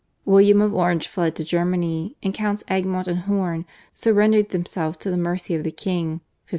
William of Orange fled to Germany, and Counts Egmont and Horn surrendered themselves to the mercy of the king (1567).